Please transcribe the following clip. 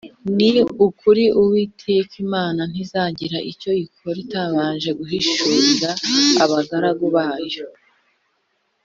Ni ukuri Uwiteka Imana ntizagira icyo ikora itabanje guhishurira abagaragu bayo